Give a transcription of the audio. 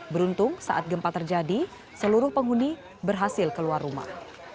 beruntung saat gempa terjadi seluruh penghuni berhasil keluar rumah